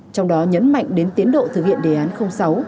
trong đó nhấn mạnh đến tiến độ thực hiện đề án sáu